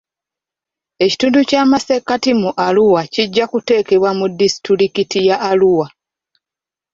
Ekitundu ky'amasekkati mu Arua kijja kuteekebwa mu disitulikiti ya Arua.